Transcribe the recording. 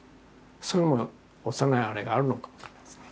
そういうのも幼いあれがあるのかもしれないですね。